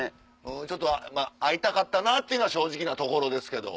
ちょっと会いたかったなっていうのは正直なところですけど。